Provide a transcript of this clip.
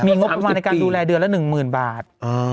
มีงบประมาณในการดูแลเดือนละ๑๐๐๐บาท